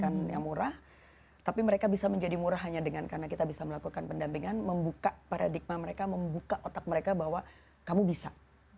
yang murah tapi mereka bisa menjadi murah hanya dengan karena kita bisa melakukan pendampingan membuka paradigma mereka membuka otak mereka bahwa kamu bisa